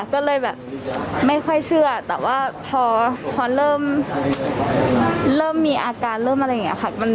ก็เลยแบบไม่ค่อยเชื่อแต่ว่าพอเริ่มมีอาการเริ่มอะไรอย่างนี้ค่ะ